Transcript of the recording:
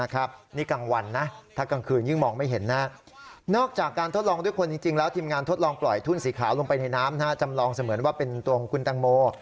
กล่าวลงไปในน้ำจำลองเสมือนว่าเป็นตัวของกุณฑังโม